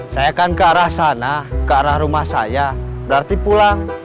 saya kan ke arah sana ke arah rumah saya berarti pulang